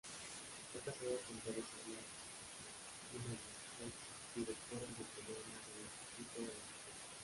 Está casado con Teresa Blat Gimeno, ex-subdirectora de programas del Instituto de la Mujer.